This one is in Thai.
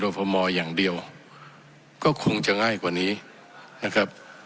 พมอย่างเดียวก็คงจะง่ายกว่านี้นะครับ